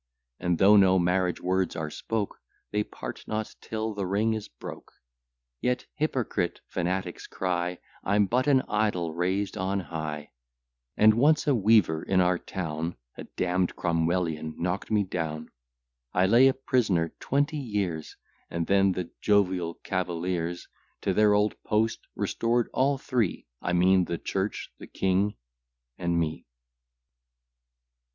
And though no marriage words are spoke, They part not till the ring is broke; Yet hypocrite fanatics cry, I'm but an idol raised on high; And once a weaver in our town, A damn'd Cromwellian, knock'd me down. I lay a prisoner twenty years, And then the jovial cavaliers To their old post restored all three I mean the church, the king, and me.